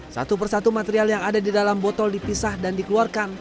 satu persatu material yang ada di dalam botol dipisah dan dikeluarkan